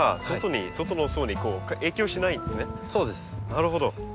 なるほど。